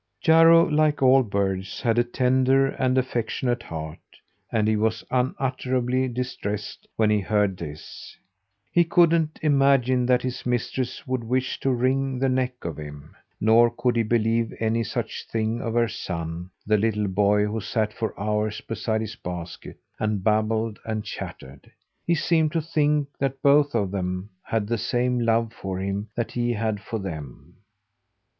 Jarro, like all birds, had a tender and affectionate heart; and he was unutterably distressed when he heard this. He couldn't imagine that his mistress would wish to wring the neck off him, nor could he believe any such thing of her son, the little boy who sat for hours beside his basket, and babbled and chattered. He seemed to think that both of them had the same love for him that he had for them.